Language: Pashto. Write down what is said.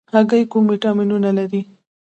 هګۍ کوم ویټامینونه لري؟